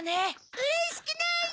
うれしくないぞ！